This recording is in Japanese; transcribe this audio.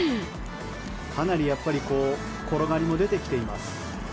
かなり転がりも出てきています。